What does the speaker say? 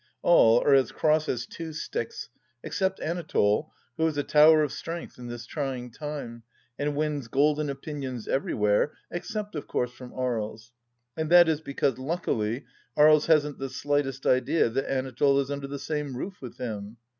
All are as cross as two sticks, except Anatole, who is a tower of strength in this trying time, and wins golden opinions everywhere, except of course from Aries, and that is because, luckily, Aries hasn't the slightest idea that Anatole is under the same roof with him.